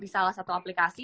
salah satu aplikasi